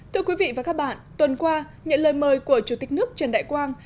thưa quý vị và các bạn tuần qua nhận lời mời của chủ tịch nước trần đại quang